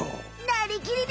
「なりきり！